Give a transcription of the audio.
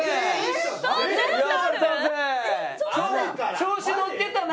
調子のってたな！